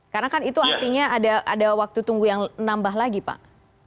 karena kan itu artinya ada waktu tunggu yang nambah lagi pak